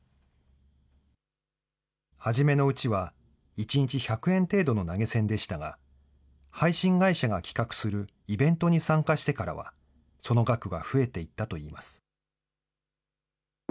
初めのうちは、１日１００円程度の投げ銭でしたが、配信会社が企画するイベントに参加してからは、その額が増えていったといいます。